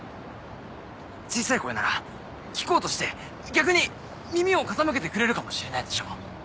小さい声なら聞こうとして逆に耳を傾けてくれるかもしれないでしょ。